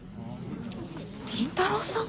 倫太郎さん？